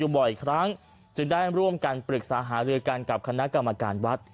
บ่อยครั้งจึงได้ร่วมกันปรึกษาหารือกันกับคณะกรรมการวัด